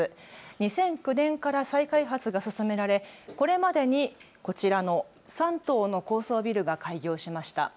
２００９年から再開発が進められ、これまでにこちらの３棟の高層ビルが開業しました。